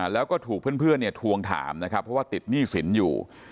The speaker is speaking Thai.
แล้วก็ถูกเพื่อนเนี่ยทวงถามนะครับเพราะว่าติดหนี้สินอยู่